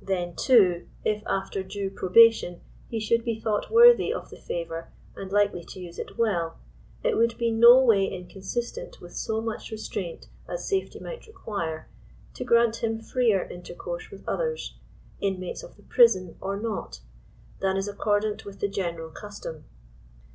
31 Then, too, if after due probation he should be thought worthy of the favor and likely to use it well, it would be no way in consistent with so much restraint as safety might require, to grant him freer intercourse with others, inmates of the prison or not, than is accordant with the general custom.